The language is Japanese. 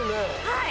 はい！